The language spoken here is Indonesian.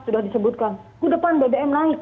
sudah disebutkan ke depan bbm naik